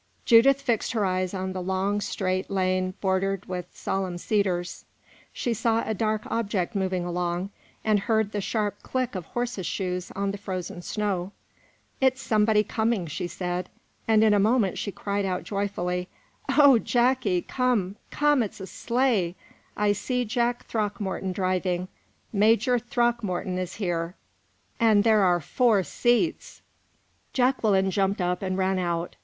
Judith fixed her eyes on the long, straight lane bordered with solemn cedars; she saw a dark object moving along, and heard the sharp click of horses' shoes on the frozen snow. "It's somebody coming," she said, and in a moment, she cried out joyfully: "O Jacky, come come! it's a sleigh I see Jack Throckmorton driving Major Throckmorton is there and there are four seats!" Jacqueline jumped up and ran out.